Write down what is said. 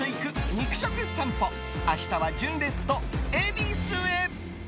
肉食さんぽ明日は純烈と恵比寿へ。